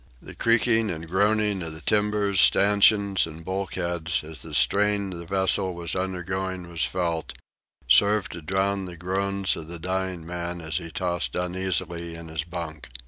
The creaking and groaning of the timbers, stanchions, and bulkheads, as the strain the vessel was undergoing was felt, served to drown the groans of the dying man as he tossed uneasily in his bunk.